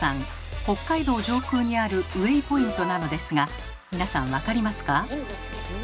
北海道上空にあるウェイポイントなのですが皆さん分かりますか？